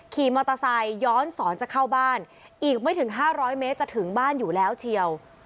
ขี่มอเตอร์ไซค์ย้อนสอนจะเข้าบ้านอีกไม่ถึง๕๐๐เมตรจะถึงบ้านอยู่แล้วเชียว